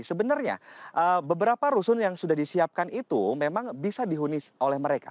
sebenarnya beberapa rusun yang sudah disiapkan itu memang bisa dihuni oleh mereka